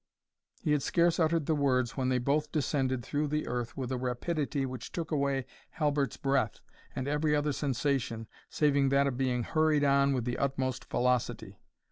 He had scarce uttered the words, when they both descended through the earth with a rapidity which took away Halbert's breath and every other sensation, saving that of being hurried on with the utmost velocity.